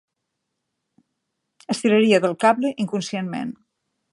Estiraria del cable inconscientment.